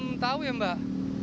belum tau ya mbak